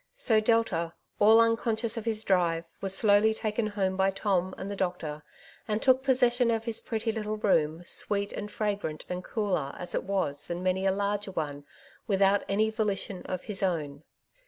So Delta, all unconscious of his drive, was slowly taken home by Tom and the doctor, and took pos session of his pretty little room, sweet and fragrant and cooler as it was than many a larger one, with out any volition of his own.